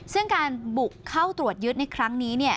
ซึ่งการบุกเข้าตรวจยึดในครั้งนี้